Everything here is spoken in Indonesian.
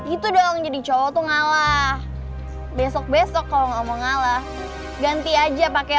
itu dong jadi cowok ngalah besok besok kalau ngomong allah ganti aja pakai